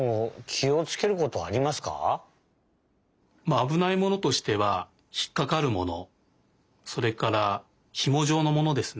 あぶないものとしてはひっかかるものそれからひもじょうのものですね。